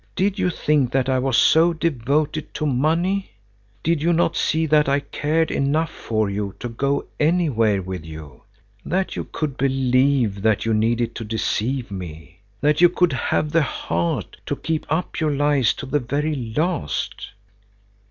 Did you think that I was so devoted to money? Did you not see that I cared enough for you to go anywhere with you? That you could believe you needed to deceive me! That you could have the heart to keep up your lies to the very last!"